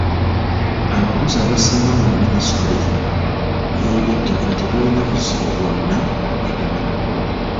Abakozi abasinga mu minisitule y'eby'ettaka tebaalina buzibu bwonna ku Buganda Land Board.